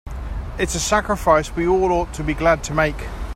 It's a sacrifice we all ought to be glad to make.